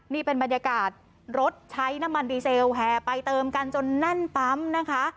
นี่เป็นบรรยากาศรถใช้น้ำมันดีเซลแห่ไปเติมกันจนแน่นปั๊มนะคะ